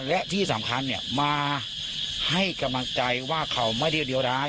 และที่สำคัญมาให้กำลังใจว่าเขาไม่ได้เลี้ยวร้าย